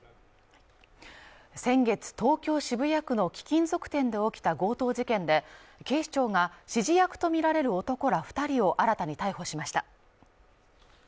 先月、東京渋谷区の貴金属店で起きた強盗事件で、警視庁が指示役とみられる男ら２人を新たに逮捕しました。